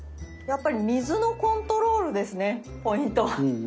やっぱり水のコントロールですねポイントは。